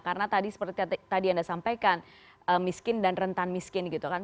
karena tadi seperti tadi anda sampaikan miskin dan rentan miskin gitu kan